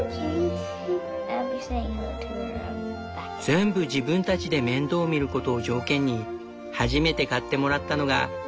全部自分たちで面倒みることを条件に初めて買ってもらったのが日本原産の白いチャボ。